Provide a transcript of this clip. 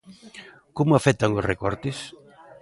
Como afectan os recortes?